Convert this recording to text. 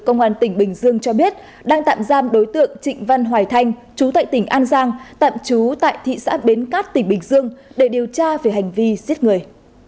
công an tỉnh bình dương cho biết đang tạm giam đối tượng trịnh văn hoài thanh chú tại tỉnh an giang tạm trú tại thị xã bến cát tỉnh bình dương để điều tra về hành vi giết người